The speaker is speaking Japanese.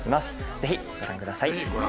ぜひご覧ください。